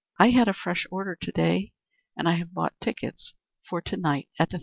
I had a fresh order to day and I have bought tickets for to night at the theatre."